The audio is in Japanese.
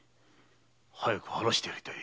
早く晴らしてやりたい。